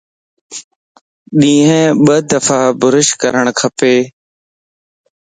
ڏينھن ٻه دفع بروش ڪرڻ کپ